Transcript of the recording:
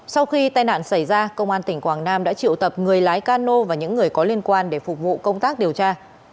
sau khi tai nạn xảy ra công an tỉnh quảng nam đã triệu tập người lái cano và những người có liên quan để phục vụ công tác điều tra